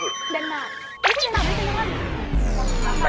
ไม่ได้เหลือค่ะ